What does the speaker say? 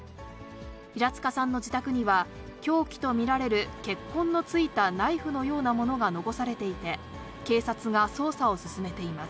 平塚さんの自宅には、凶器と見られる血痕のついたナイフのようなものが残されていて、警察が捜査を進めています。